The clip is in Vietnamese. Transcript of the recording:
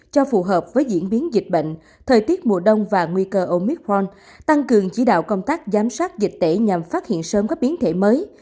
cho phù hợp với diễn biến dịch bệnh thời tiết mùa đông và nguy cơ omitron tăng cường chỉ đạo công tác giám sát dịch tễ nhằm phát hiện sớm các biến thể mới